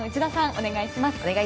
お願いします。